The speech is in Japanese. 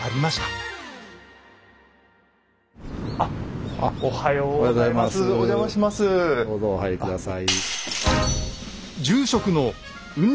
どうぞお入り下さい。